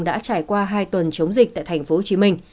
đã trải qua hai tuần chống dịch tại tp hcm